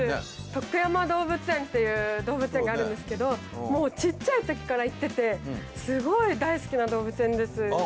徳山動物園っていう動物園があるんですけどもうちっちゃい時から行っててスゴい大好きな動物園ですああ